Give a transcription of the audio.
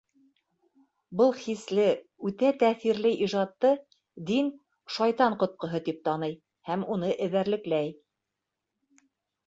Был хисле, үтә тәьҫирле ижадты дин шайтан ҡотҡоһо тип таный һәм уны эҙәрлекләй.